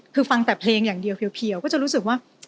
คือฟังแต่เพลงอย่างเดียวเพียวก็จะรู้สึกว่า